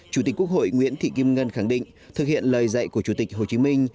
chủ tịch quốc hội nguyễn thị kim ngân khẳng định thực hiện lời dạy của chủ tịch hồ chí minh